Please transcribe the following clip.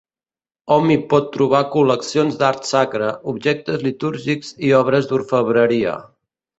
Hom hi pot trobar col·leccions d'art sacre, objectes litúrgics i obres d'orfebreria.